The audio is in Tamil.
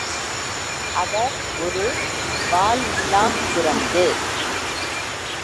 அவர் ஒரு வால் இல்லாக் குரங்கு!